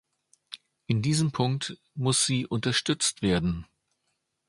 In diesem Punkt muss sie unterstützt werden.